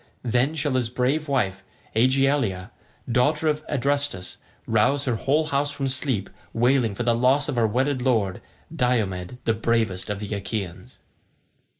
Then shall his brave wife Aegialeia, daughter of Adrestus, rouse her whole house from sleep, wailing for the loss of her wedded lord, Diomed the bravest of the Achaeans."